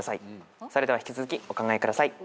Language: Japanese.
それでは引き続きお考えください。